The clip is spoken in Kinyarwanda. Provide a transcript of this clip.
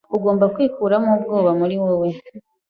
Ugomba kwikuramo ubwoba muri wowe